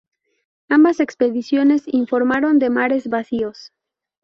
Ambas expediciones informaron de mares vacíos.